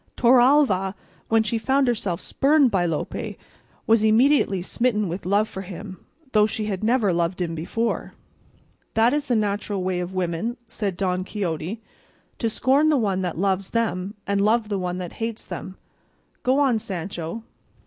Torralva, when she found herself spurned by Lope, was immediately smitten with love for him, though she had never loved him before." "That is the natural way of women," said Don Quixote, "to scorn the one that loves them, and love the one that hates them: go on, Sancho."